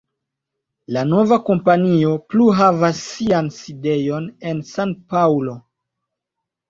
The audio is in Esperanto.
La nova kompanio plu havas sian sidejon en San-Paŭlo.